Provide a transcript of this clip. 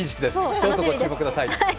どうぞご注目ください。